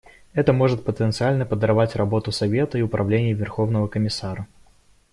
Это может потенциально подорвать работу Совета и Управления Верховного комиссара.